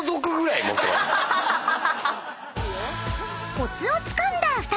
［コツをつかんだ２人］